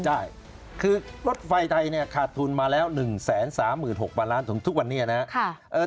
ใช่คือรถไฟไทยเนี่ยขาดทุนมาแล้ว๑๓๖๐๐ล้านถึงทุกวันนี้นะครับ